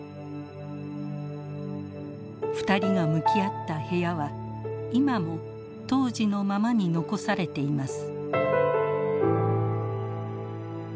２人が向き合った部屋は今も当時のままに残されています。